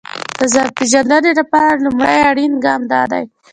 د ځان پېژندنې لپاره لومړی اړين ګام دا دی.